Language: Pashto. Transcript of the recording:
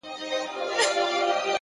هر منزل له استقامت سره نږدې کېږي.!